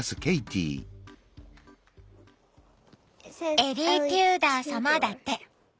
「エリー・テューダー様」だって。